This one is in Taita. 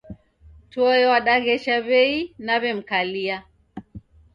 Toe wadaghesha w'ei naw'emkalia